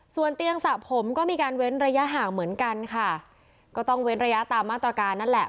ส่วนเตียงสระผมก็มีการเว้นระยะห่างเหมือนกันค่ะก็ต้องเว้นระยะตามมาตรการนั่นแหละ